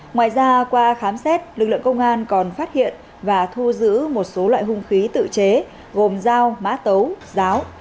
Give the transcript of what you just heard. ngoài ra qua khám xét lực lượng công an còn phát hiện và thu giữ một số loại hung khí tự chế gồm dao mã tấu ráo